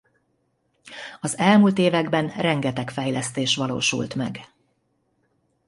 Az elmúlt években rengeteg fejlesztés valósult meg.